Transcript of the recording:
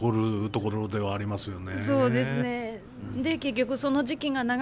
そうですね。